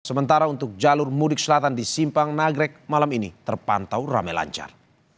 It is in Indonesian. sementara untuk jalur mudik selatan di simpang nagrek malam ini terpantau rame lancar